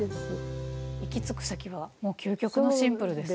行き着く先はもう究極のシンプルですね。